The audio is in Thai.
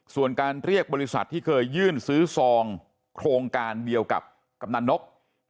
ส่วนการเรียกบริษัทที่เคยยื่นซื้อซองโครงการเดียวกับกำนันนก